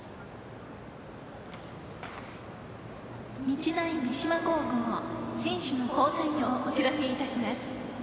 日大三島高校選手の交代をお知らせいたします。